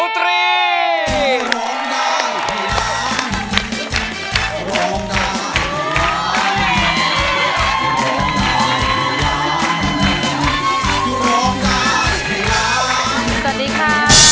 สวัสดีค่ะ